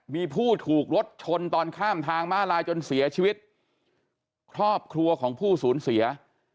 มีผู้ถูกรถชนตอนข้ามทางม้าลายจนเสียชีวิตครอบครัวของผู้สูญเสีย